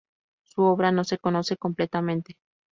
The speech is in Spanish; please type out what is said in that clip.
Su obra no se conoce completamente.